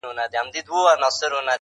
دصدقېجاريېزوردیتردېحدهپورې,